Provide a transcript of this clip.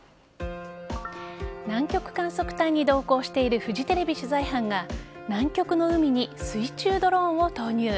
南極観測隊に同行しているフジテレビ取材班が南極の海に水中ドローンを投入。